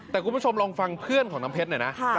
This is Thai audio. แต่คุณผู้ชมลองฟังเพื่อนของน้ำเพชรหน่อยนะ